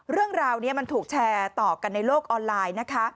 เรื่องราวนี้มันถูกแชร์ต่อกันในโลกออนไลน์นะคะ